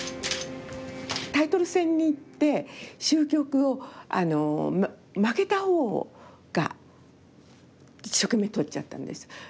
タイトル戦に行って終局を負けたほうを一生懸命撮っちゃったんです。